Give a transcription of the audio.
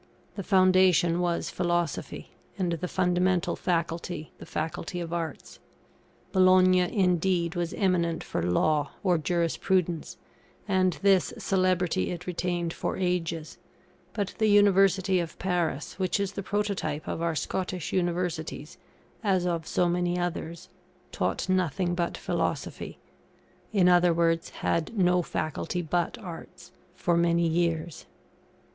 The foundation was Philosophy, and the fundamental Faculty the Faculty of Arts. Bologna, indeed, was eminent for Law or Jurisprudence, and this celebrity it retained for ages; but the University of Paris, which is the prototype of our Scottish Universities, as of so many others, taught nothing but Philosophy in other words, had no Faculty but Arts for many years.